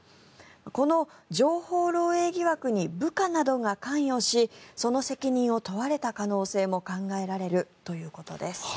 この情報漏えい疑惑に部下などが関与しその責任を問われた可能性も考えられるということです。